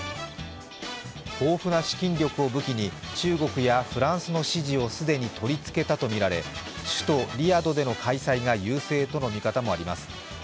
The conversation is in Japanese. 豊富な資金力を武器に中国やフランスの支持を既に取りつけたとみられ、首都リヤドでの開催が優勢との見方もあります。